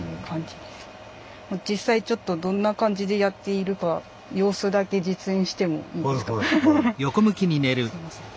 なのでこの実際どんな感じでやっているか様子だけ実演してもいいですか。